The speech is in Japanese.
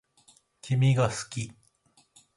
君が好き